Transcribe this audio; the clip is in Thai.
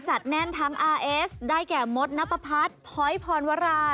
จัดแน่นทั้งอาร์เอสได้แก่มดนับพรรดิพอยพรวรา